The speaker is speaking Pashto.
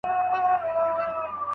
د نر هلک ژړا په زانګو کي معلومېږي.